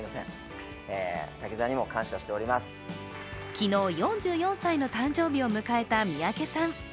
昨日、４４歳の誕生日を向かえた三宅さん。